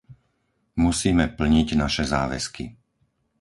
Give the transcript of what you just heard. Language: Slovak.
Musíme plniť naše záväzky.